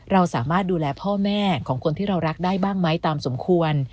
เราสามารถดูแลพ่อแม่ของคนที่เรารักได้บ้างไหมตามสมควร